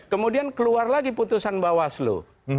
kemudian keluar lagi putusan bawaslu